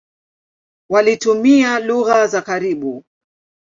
Walitumia lugha za karibu.